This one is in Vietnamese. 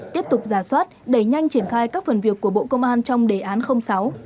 tiếp tục giả soát đẩy nhanh triển khai các phần việc của bộ công an trong đề án sáu